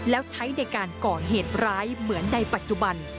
แล้วใช้ในการก่อเหตุร้ายเหมือนในปัจจุบัน